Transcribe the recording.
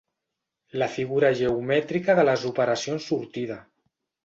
La figura geomètrica de les operacions sortida.